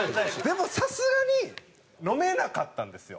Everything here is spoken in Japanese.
でもさすがに飲めなかったんですよ。